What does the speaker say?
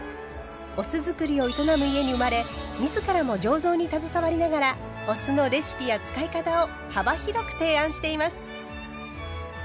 お酢造りを営む家に生まれ自らも醸造に携わりながらお酢のレシピや使い方を幅広く提案しています。